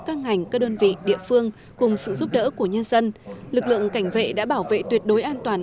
các ngành các đơn vị địa phương cùng sự giúp đỡ của nhân dân lực lượng cảnh vệ đã bảo vệ tuyệt đối an toàn